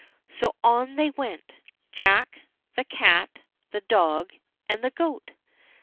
> So on they went. Jack, the cat, the dog, and the goat.